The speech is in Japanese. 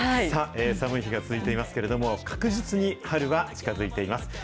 さあ、寒い日が続いていますけれども、確実に春は近づいています。